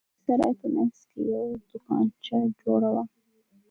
د سراى په منځ کښې يوه دوکانچه جوړه وه.